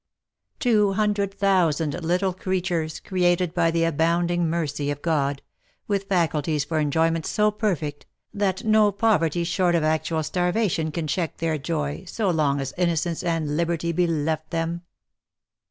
Two hundred thousand little creatures, created by the abounding mercy of God, with faculties for enjoyment so perfect, that no poverty short of actual starvation can check their joy so long as innocence and liberty be left them